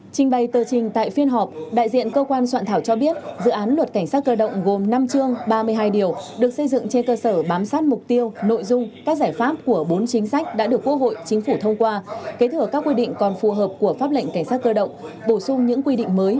trình bày tờ trình tại phiên họp đại diện cơ quan soạn thảo cho biết dự án luật cảnh sát cơ động gồm năm chương ba mươi hai điều được xây dựng trên cơ sở bám sát mục tiêu nội dung các giải pháp của bốn chính sách đã được quốc hội chính phủ thông qua kế thừa các quy định còn phù hợp của pháp lệnh cảnh sát cơ động bổ sung những quy định mới